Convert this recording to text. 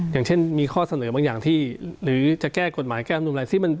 อย่างเช่นมีข้อเสนอบางอย่างที่หรือจะแก้กฎหมายแก้มนุนอะไร